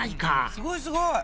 すごいすごい。